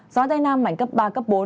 gió tây nam mảnh cấp ba bốn